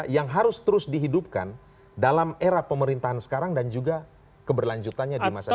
yang harus terus dihidupkan dalam era pemerintahan sekarang dan juga keberlanjutannya di masa depan